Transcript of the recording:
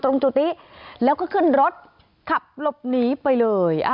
จุดนี้แล้วก็ขึ้นรถขับหลบหนีไปเลย